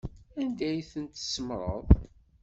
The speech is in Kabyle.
Anda ay ten-tsemmṛeḍ?